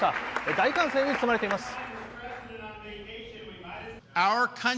大歓声に包まれています。